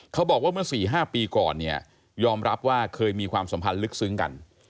เขาบอกว่าเมื่อ๔๕ปีก่อนเนี่ยยอมรับว่าเคยมีความสัมพันธ์ลึกซึ้งกัน